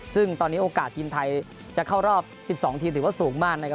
ซึ่งตอนนี้โอกาสทีมไทยจะเข้ารอบ๑๒ทีมถือว่าสูงมากนะครับ